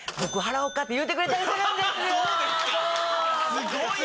すごいね。